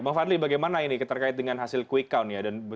bang fadli bagaimana ini terkait dengan hasil quick count ya